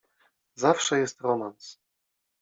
"Zawsze jest romans."